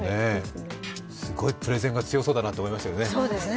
すごいプレゼンが強そうだなと思いましたよね。